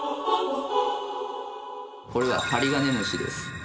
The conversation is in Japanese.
これはハリガネムシです。